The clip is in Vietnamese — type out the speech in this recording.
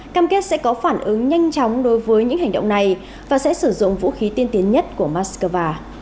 cam kết sẽ có phản ứng nhanh chóng đối với những hành động này và sẽ sử dụng vũ khí tiên tiến nhất của moscow